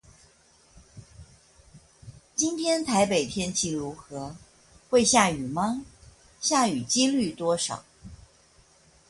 今天台北天氣如何?會下雨嗎?下雨機率多少?